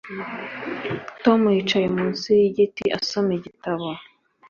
Tom yicaye munsi yigiti asoma igitabo